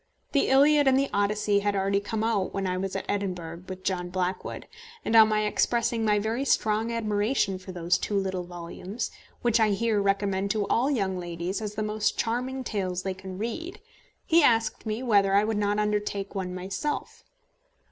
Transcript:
The Iliad and the Odyssey had already come out when I was at Edinburgh with John Blackwood, and, on my expressing my very strong admiration for those two little volumes, which I here recommend to all young ladies as the most charming tales they can read, he asked me whether I would not undertake one myself.